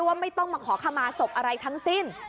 ว่าไม่ต้องมาขอขมาศพอะไรทั้งสิ้น